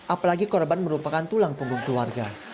apalagi korban merupakan tulang punggung keluarga